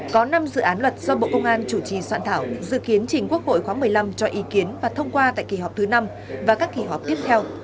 có năm dự án luật do bộ công an chủ trì soạn thảo dự kiến trình quốc hội khóa một mươi năm cho ý kiến và thông qua tại kỳ họp thứ năm và các kỳ họp tiếp theo